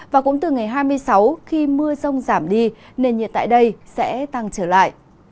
và cũng từ ngày hai mươi sáu khi mưa rông giảm đi nền nhiệt tại đây sẽ tăng trở lại